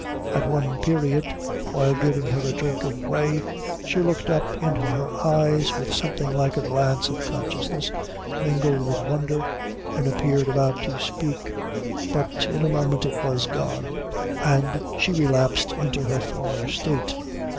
At one period, while giving her a drink of whey, she looked up into her eyes with something like a glance of consciousness, mingled with wonder, and appeared about to speak, but in a moment it was gone, and she relapsed into her former state.